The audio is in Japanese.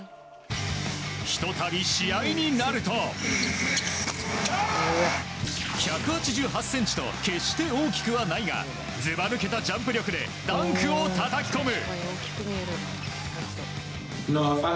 ひとたび試合になると１８８ｃｍと決して大きくはないがずば抜けたジャンプ力でダンクをたたき込む。